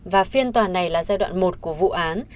và phiên tòa này là giai đoạn một của vụ án